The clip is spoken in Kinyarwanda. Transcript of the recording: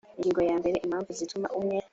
ingingo ya mbere impamvu zituma umwe